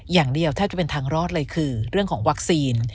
อย่างเดียวแทบจะเป็นทางรอดเลยคือเรื่องของวัคซีน